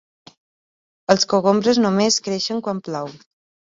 Els cogombres només creixen quan plou.